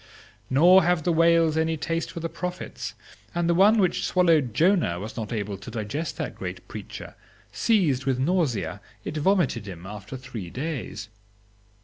Nor have the whales any taste for the prophets, and the one which swallowed Jonah was not able to digest that great preacher; seized with nausea, it vomited him after three days.